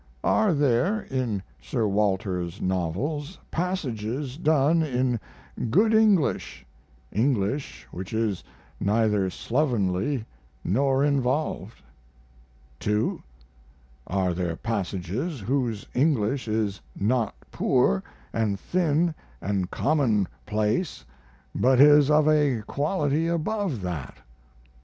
Are there in Sir Walter's novels passages done in good English English which is neither slovenly nor involved? 2. Are there passages whose English is not poor & thin & commonplace, but is of a quality above that? 3.